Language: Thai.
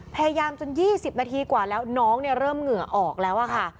พยายามจน๒๐นาทีกว่าแล้วน้องเริ่มเหงื่อออกแล้วอะค่ะ